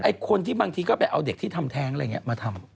คนที่บางทีก็ไปเอาเด็กที่ทำแท้งอะไรอย่างนี้มาทำ